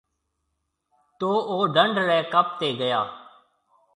تو او ڊنڍ رَي ڪپ تي گيا۔